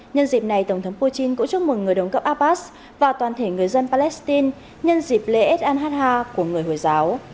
nhân dịp này tổng thống putin cũng chúc mừng người đồng cấp abbas và toàn thể người dân palestine nhân dịp lễ s a h h của người hồi giáo